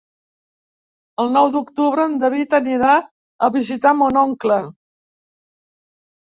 El nou d'octubre en David anirà a visitar mon oncle.